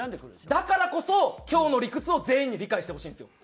だからこそ今日の理屈を全員に理解してほしいんですよ。